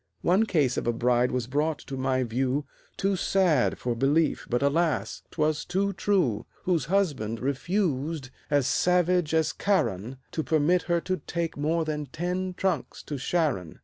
One case of a bride was brought to my view, Too sad for belief, but alas! 'twas too true, Whose husband refused, as savage as Charon, To permit her to take more than ten trunks to Sharon.